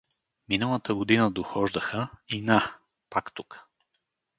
Миналата година дохождаха и на, пак тука.